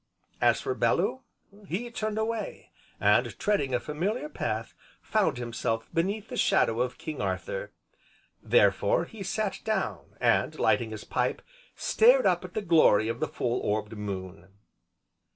As for Bellew, he turned away, and, treading a familiar path, found himself beneath the shadow of "King Arthur." Therefore, he sat down, and lighting his pipe, stared up at the glory of the full orbed moon.